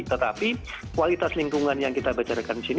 tetapi kualitas lingkungan yang kita bacakan di sini